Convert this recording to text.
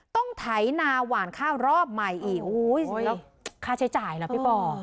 ไถนาหวานข้าวรอบใหม่อีกโอ้โหค่าใช้จ่ายล่ะพี่ปอ